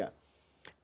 kalau kuburan ini